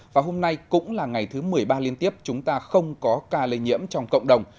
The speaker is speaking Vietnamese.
và hôm nay cũng là ngày thứ một mươi ba liên tiếp chúng ta không có ca lây nhiễm trong cộng đồng